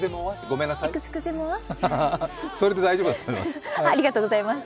それで大丈夫だと思います。